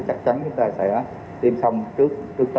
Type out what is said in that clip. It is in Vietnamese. chắc chắn chúng ta sẽ tiêm xong trước tết